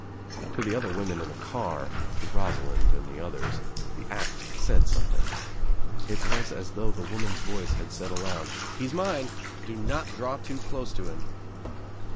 To the other women in the car, to Rosa lind and the others the act said something. It was as though the woman's voice had said aloud, "He is mine. Do not draw too close to him."